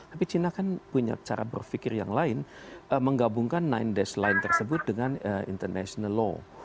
tapi cina kan punya cara berpikir yang lain menggabungkan nine dash line tersebut dengan international law